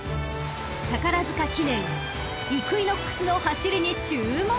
［宝塚記念イクイノックスの走りに注目］